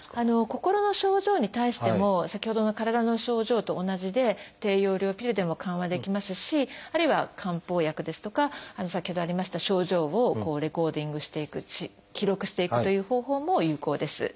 心の症状に対しても先ほどの体の症状と同じで低用量ピルでも緩和できますしあるいは漢方薬ですとか先ほどありました症状をレコーディングしていく記録していくという方法も有効です。